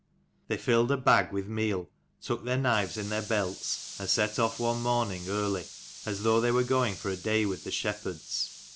They filled a bag with meal, took their knives in their belts, and set off one morning early, as though they were going for a day with the shepherds.